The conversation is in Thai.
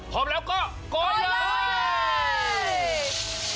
พร้อมแล้วก็ก่อนเลย